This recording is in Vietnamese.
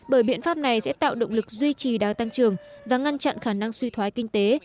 bởi biện pháp này sẽ tạo động lực duy trì đa tăng trường và ngăn chặn khả năng suy thoái kinh tế